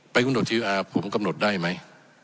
ไปกุฎจิราผมกำหนดได้ไหม